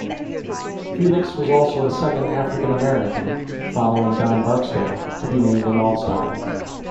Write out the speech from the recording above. Felix was also the second African-American, following Don Barksdale, to be named an All-Star.